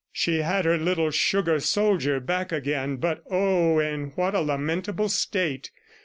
She had her little sugar soldier back again, but, oh, in what a lamentable state!